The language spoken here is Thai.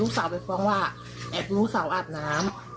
ลูกสาวเวลาแอบลูกสาวอาบน้ำ